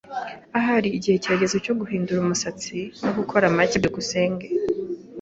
Ahari igihe kirageze cyo guhindura umusatsi no gukora make. byukusenge